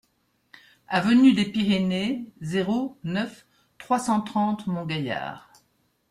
Avenue des Pyrénées, zéro neuf, trois cent trente Montgaillard